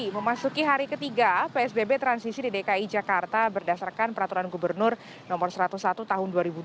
memasuki hari ketiga psbb transisi di dki jakarta berdasarkan peraturan gubernur no satu ratus satu tahun dua ribu dua puluh